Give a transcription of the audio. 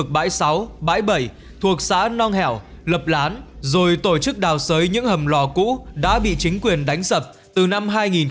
bãi sáu bãi bảy thuộc xã nong hẻo lập lán rồi tổ chức đào sới những hầm lò cũ đã bị chính quyền đánh sập từ năm hai nghìn một mươi